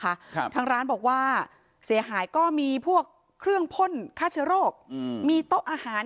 ครับทางร้านบอกว่าเสียหายก็มีพวกเครื่องพ่นฆ่าเชื้อโรคอืมมีโต๊ะอาหาร